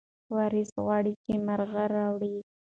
وارث غواړي چې مرغۍ راوړي.